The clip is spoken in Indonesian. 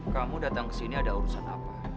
kamu datang ke sini ada urusan apa